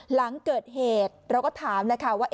หลังเกิดเหตุเราก็ถามนะคะว่า